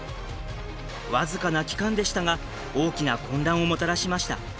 僅かな期間でしたが大きな混乱をもたらしました。